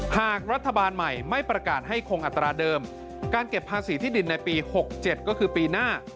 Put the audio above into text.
หากรัฐบาลใหม่ไม่ประกาศให้คงอัตราเดิมการเก็บภาษีที่ดินในปี๖๗ก็คือปีหน้า